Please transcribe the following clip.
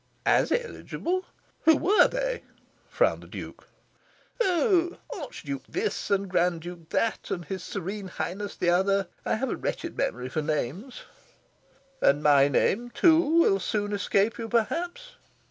"As eligible? Who were they?" frowned the Duke. "Oh, Archduke this, and Grand Duke that, and His Serene Highness the other. I have a wretched memory for names." "And my name, too, will soon escape you, perhaps?"